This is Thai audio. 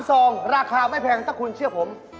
ซองราคาไม่แพงถ้าคุณเชื่อผม